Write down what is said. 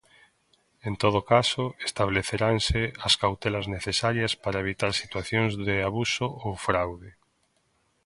"En todo caso, estableceranse as cautelas necesarias para evitar situacións de abuso ou fraude".